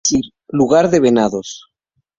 Es decir, ""lugar de venados"".